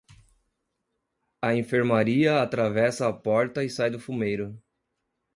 A enfermaria atravessa a porta e sai do fumeiro.